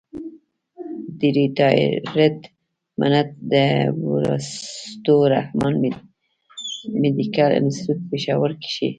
د ريټائرډ منټ نه وروستو رحمان مېډيکل انسټيتيوټ پيښور کښې